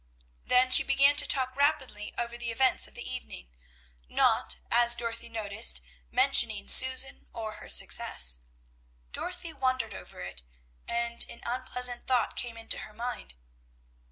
Then she began to talk rapidly over the events of the evening, not, as Dorothy noticed, mentioning Susan or her success. Dorothy wondered over it, and an unpleasant thought came into her mind.